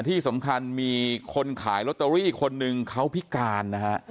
ที่สำคัญมีคนขายลอตเตอรี่คนหนึ่งเขาพิการนะฮะ